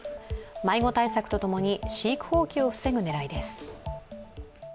迷子対策とともに、飼育放棄を防ぐ狙いです。